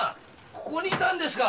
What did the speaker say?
ここにいたんですか。